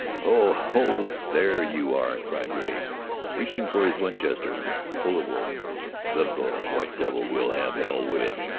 "Ho! Ho! there you are!" cried Rea, reaching for his Winchester. "Polar wolf! Them's the white devils we'll have hell with."